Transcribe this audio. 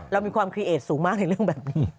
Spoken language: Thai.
เรามีความคลีเอสสูงมากในเรื่องแบบนี้